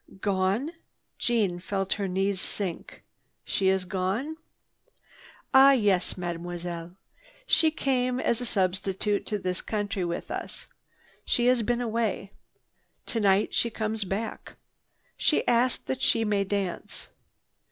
"Gone?" Jeanne felt her knees sink. "She is gone?" "Ah yes, Mademoiselle. She came as a substitute to this country with us. She has been away. Tonight she comes back. She asks that she may dance.